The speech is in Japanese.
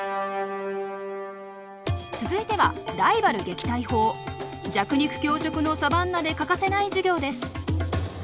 続いては弱肉強食のサバンナで欠かせない授業です。